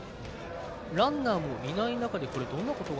ランナーがいない中でどんなことが。